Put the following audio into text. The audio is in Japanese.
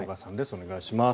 お願いします。